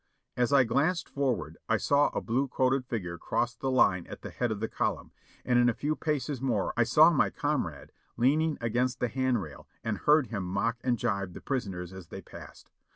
As I glanced forward I saw a blue coated figin e cross the line at the head of the column, and in a few paces more I saw my comrade leaning against the hand rail and heard him mock and jibe the prisoners as they passed.